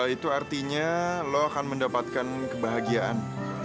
itu artinya lo akan mendapatkan kebahagiaan